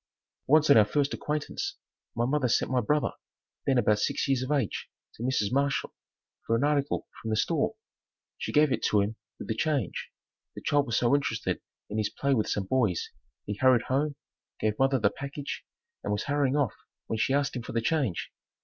Once on our first acquaintance, my mother sent my brother, then about six years of age, to Mrs. Marshall for an article from the store. She gave it to him with the change. The child was so interested in his play with some boys, he hurried home, gave mother the package and was hurrying off when she asked him for the change.